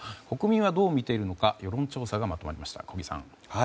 国民はどう見ているのか世論調査がまとまりました。